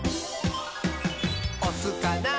「おすかな？